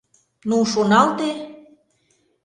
Ну, шоналте!